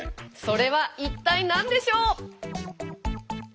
それは一体何でしょう？